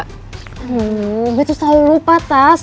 aduh gue tuh selalu lupa tas